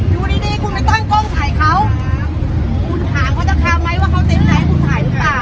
อยู่ดีดีคุณไม่ต้องกล้องถ่ายเขาคุณถามเขาจะคาวไหมว่าเขาเต็มไทยคุณถ่ายหรือเปล่า